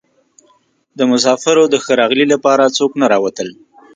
د مسافرو د ښه راغلي لپاره څوک نه راوتل.